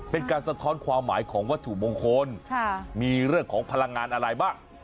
สะท้อนความหมายของวัตถุมงคลมีเรื่องของพลังงานอะไรบ้าง